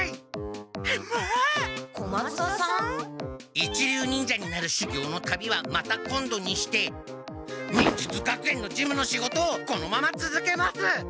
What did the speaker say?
一流忍者になるしゅぎょうの旅はまた今度にして忍術学園の事務の仕事をこのままつづけます！